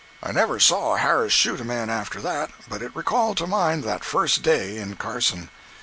I never saw Harris shoot a man after that but it recalled to mind that first day in Carson.